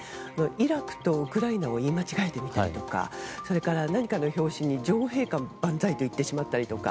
イラクとウクライナを言い間違えてみたりとかそれから何かの拍子に女王陛下万歳と言ってしまったりとか。